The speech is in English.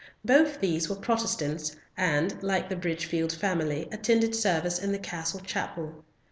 Both these were Protestants, and, like the Bridgefield family, attended service in the castle chapel.